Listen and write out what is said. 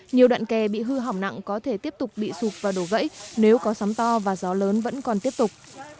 nhiều đoạn kè bị hư hỏng nặng có thể tiếp tục bị sụp và đổ gãy nếu có sóng to và gió lớn vẫn còn tiếp tục